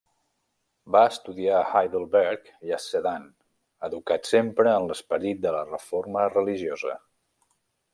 Va estudiar a Heidelberg i a Sedan, educat sempre en l'esperit de la reforma religiosa.